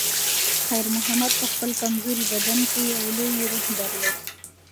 خیر محمد په خپل کمزوري بدن کې یو لوی روح درلود.